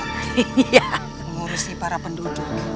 mengurusi para penduduk